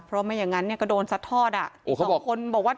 เพราะไม่อย่างนั้นเนี่ยก็โดนซัดทอดอ่ะอีกสองคนบอกว่า